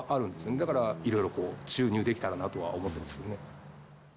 だからいろいろこう、注入できたらなとは思ってるんですけどね。